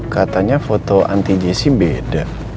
katanya foto anti jesi beda